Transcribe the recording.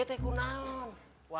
ya teguh mawudah